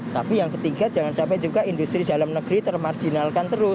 tapi yang ketiga jangan sampai juga industri dalam negeri termarjinalkan terus